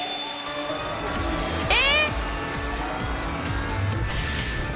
え！